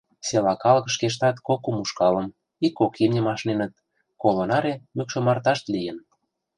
Села калык шкештат кок-кум ушкалым, ик-кок имньым ашненыт, коло наре мӱкшомарташт лийын.